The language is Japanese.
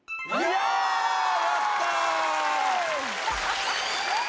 やった！